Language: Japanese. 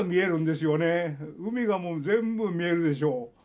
海がもう全部見えるでしょう。